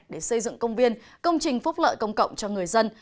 để xây dựng công viên công trình phúc lợi công cộng cho người dân